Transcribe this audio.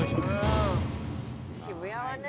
渋谷はね。